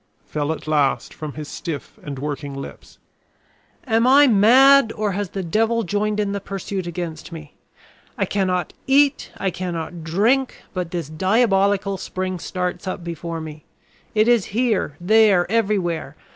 fell at last from his stiff and working lips. "Am I mad or has the devil joined in the pursuit against me? I cannot eat, I cannot drink, but this diabolical spring starts up before me. It is here, there, everywhere.